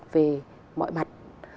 về mọi mặt